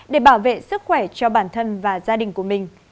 để bảo vệ sức khỏe cho bản thân và gia đình của mình